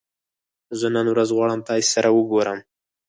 زه نن ورځ غواړم تاسې سره وګورم